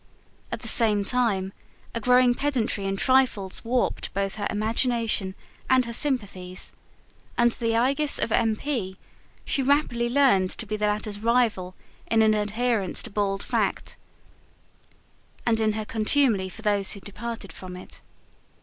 At the same time, a growing pedantry in trifles warped both her imagination and her sympathies: under the aegis of M. P., she rapidly learned to be the latter's rival in an adherence to bald fact, and in her contumely for those who departed from it.